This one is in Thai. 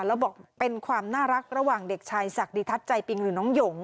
แล้วบอกเป็นความน่ารักระหว่างเด็กชายศักดิทัศน์ใจปิงหรือน้องหยง